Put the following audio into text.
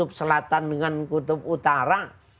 kutub selatan dengan kutub utara